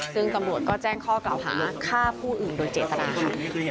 ซึ่งตำรวจก็แจ้งข้อกล่าวหาฆ่าผู้อื่นโดยเจตนาค่ะ